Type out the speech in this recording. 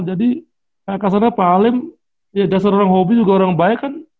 jadi kayak kasarnya pak halim ya dasar orang hobi juga orang baik kan